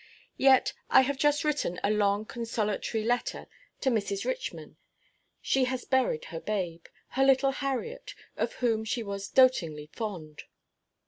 Yet I have just written a long consolatory letter to Mrs. Richman. She has buried, her babe her little Harriet, of whom she was dotingly fond.